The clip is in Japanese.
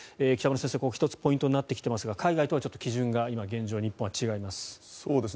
北村先生、１つポイントになってきていますが海外とはちょっと基準が現状、日本は違います。